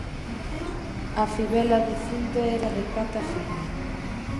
A fibela do cinto era de prata fina.